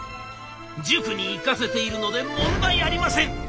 「塾に行かせているので問題ありません！」。